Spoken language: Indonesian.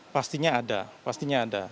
pastinya ada pastinya ada